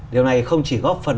điều này không chỉ góp phần